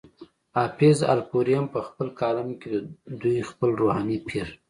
حافظ الپورۍ هم پۀ خپل کالم کې دوي خپل روحاني پير